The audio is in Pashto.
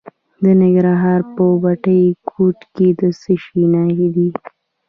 د ننګرهار په بټي کوټ کې د څه شي نښې دي؟